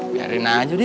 biarin aja dip